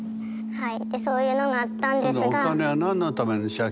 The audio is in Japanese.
はい。